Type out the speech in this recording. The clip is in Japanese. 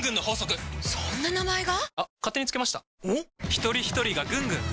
ひとりひとりがぐんぐん！